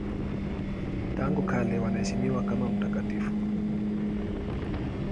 Tangu kale wanaheshimiwa kama mtakatifu.